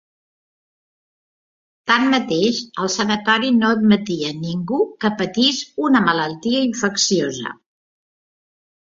Tanmateix, el sanatori no admetia ningú que patís una malaltia infecciosa.